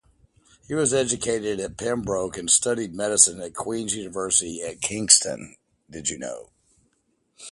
He was educated at Pembroke, and studied medicine at Queen's University in Kingston.